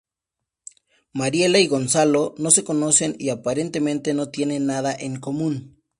Mariela y Gonzalo no se conocen y aparentemente no tienen nada en común.